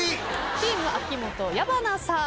チーム秋元矢花さん。